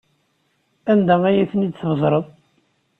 Anda ay ten-id-tbedreḍ?